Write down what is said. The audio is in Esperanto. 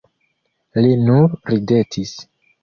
Li nur ridetis.